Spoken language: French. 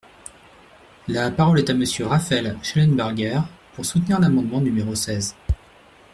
La parole est à Monsieur Raphaël Schellenberger, pour soutenir l’amendement numéro seize.